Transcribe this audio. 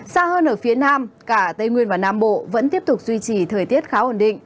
xa hơn ở phía nam cả tây nguyên và nam bộ vẫn tiếp tục duy trì thời tiết khá ổn định